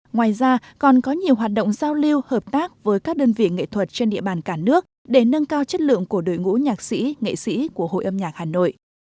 ngoài ra còn có nhiều hoạt động giao lưu hợp tác với các đơn vị nghệ thuật trên địa bàn cả nước để nâng cao chất lượng của đội ngũ nhạc sĩ nghệ sĩ của hội âm nhạc hà nội